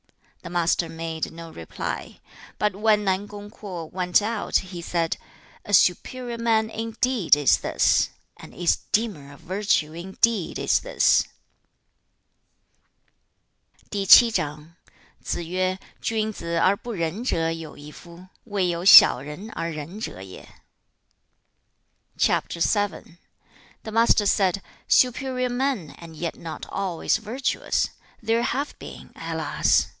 The Master made no reply; but when Nan kung Kwo went out, he said, 'A superior man indeed is this! An esteemer of virtue indeed is this!' CHAP. VII. The Master said, 'Superior men, and yet not always virtuous, there have been, alas!